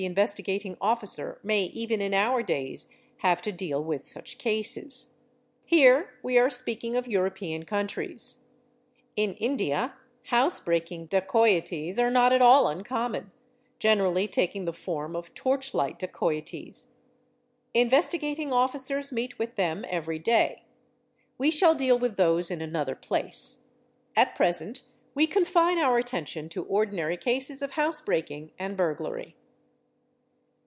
Investigating Officer may even in our days have to deal with such cases. Here we are speaking of Huropean Countries. In India housebreaking _ dacoities are not at all uncommon, generally taking the form of " torch light" dacoities; Investigating Officers meet with them every day. We 0G BAAD SOR ie SLAW a ele "og shall deal with those in another place; at present we confine our atten tion to ordinary cases of housebreaking and burglary.